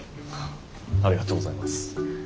ありがとうございます。